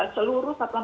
seluruh satuan pendidikan